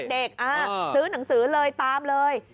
ตอนเด็กซื้อหนังสือเลยตามเลย